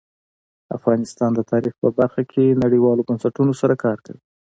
افغانستان د تاریخ په برخه کې نړیوالو بنسټونو سره کار کوي.